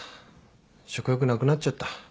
食欲なくなっちゃった。